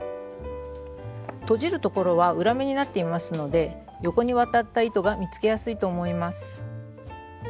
とじるところは裏目になっていますので横に渡った糸が見つけやすいと思います。